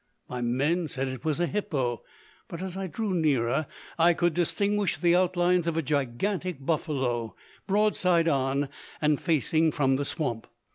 My men said it was a hippo, but as I drew nearer I could distinguish the outlines of a gigantic buffalo, broadside on and facing from the swamp.